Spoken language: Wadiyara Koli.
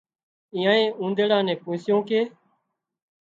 ايئانئي اونۮيڙا نين پوسيون ڪي